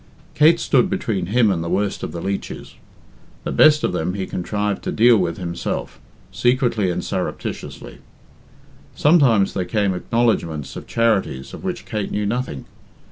Kate stood between him and the worst of the leeches. The best of them he contrived to deal with himself, secretly and surreptitiously. Sometimes there came acknowledgments of charities of which Kate knew nothing.